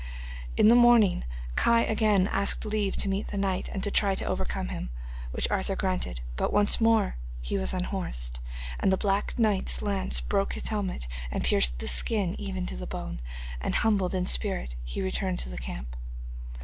In the morning Kai again asked leave to meet the knight and to try to overcome him, which Arthur granted. But once more he was unhorsed, and the black knight's lance broke his helmet and pierced the skin even to the bone, and humbled in spirit he returned to the camp.